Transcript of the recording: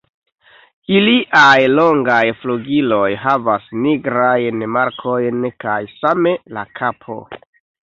Iliaj longaj flugiloj havas nigrajn markojn kaj same la kapo.